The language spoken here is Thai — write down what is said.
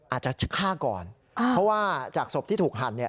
อาจจะฆ่าก่อนเพราะว่าจากศพที่ถูกหั่นเนี่ย